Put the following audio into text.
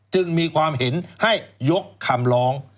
จึงมีความเห็นให้ยกคำร้อง